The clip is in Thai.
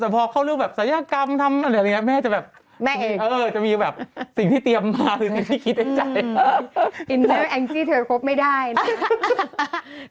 พบไม่ได้นะ